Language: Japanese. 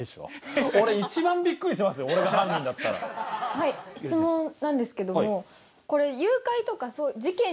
はい質問なんですけども。